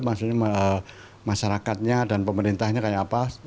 maksudnya masyarakatnya dan pemerintahnya kayak apa